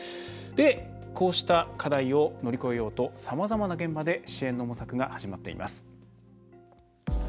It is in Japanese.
こうした課題を乗り越えようとさまざまな現場で支援の模索が始まっています。